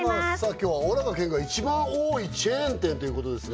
今日はおらが県が一番多いチェーン店ということですね